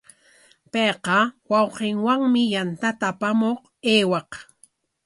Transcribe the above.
Payqa wawqinwami yantata apamuq aywaq.